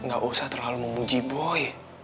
gak usah terlalu memuji boy